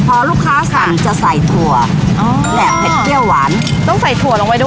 พอลูกค้าสั่งจะใส่ถั่วอ๋อแหลบเผ็ดเปรี้ยวหวานต้องใส่ถั่วลงไปด้วย